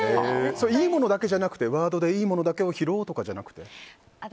いいものだけじゃなくてワードでいいものだけを拾おうとかじゃなくて？